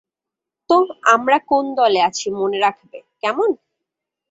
তো আমরা কোন দলে আছি মনে রাখবে, কেমন?